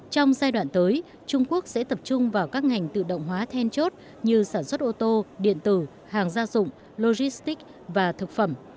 trong giai đoạn tới trung quốc sẽ tập trung vào các ngành tự động hóa then chốt như sản xuất ô tô điện tử hàng gia dụng logistic và thực phẩm